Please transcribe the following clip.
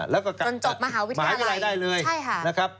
ได้จนจบมหาวิทยาลัยใช่ค่ะ